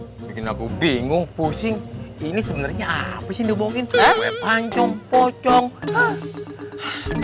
lu bikin aku bingung pusing ini sebenarnya apa sih yang dibawakin kue pancong pocong hah